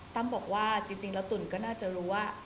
บอกว่าจริงแล้วตุ๋นก็น่าจะรู้ว่า